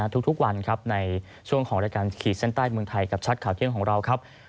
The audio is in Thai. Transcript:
ทุกวันครับในช่วงของรายการขีดเส้นใต้เมืองไทยกับชัดข่าวเที่ยงของเราครับ